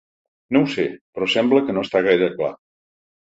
No ho sé, però sembla que no està gaire clar.